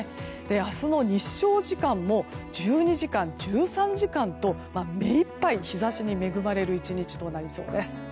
明日の日照時間も１２時間、１３時間と目いっぱい日差しに恵まれる１日になりそうです。